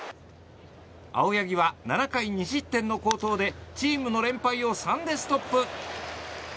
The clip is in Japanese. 青柳は７回２失点の好投でチームの連敗を３でストップ。